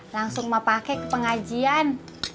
langsung emak pake ke pengajian